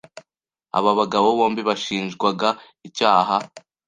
Aba bagabo bombi bashinjwaga icyaha.